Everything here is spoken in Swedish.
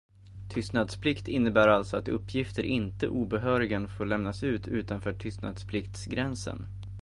Tystnadsplikt innebär alltså att uppgifter inte obehörigen får lämnas ut utanför tystnadspliktsgränsen.